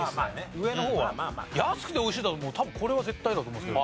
上の方は。安くて美味しいだと多分これは絶対だと思うんですけど。